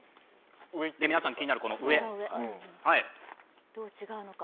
皆さん気になる、この上。